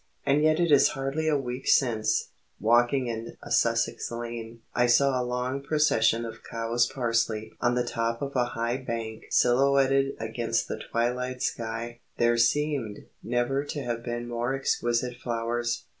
And yet it is hardly a week since, walking in a Sussex lane, I saw a long procession of cow's parsley on the top of a high bank silhouetted against the twilight sky. There seemed never to have been more exquisite flowers.